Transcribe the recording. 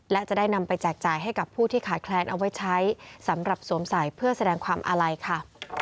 และจะได้นำไปแจกจ่ายให้กับผู้ที่ขาดแคลนเอาไว้ใช้สำหรับสวมใส่เพื่อแสดงความอาลัยค่ะ